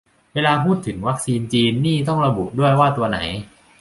เวลาพูดถึง "วัคซีนจีน" นี่ต้องระบุด้วยว่าตัวไหน